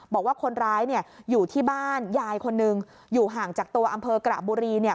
บอกว่าคนร้ายเนี่ยอยู่ที่บ้านยายคนนึงอยู่ห่างจากตัวอำเภอกระบุรีเนี่ย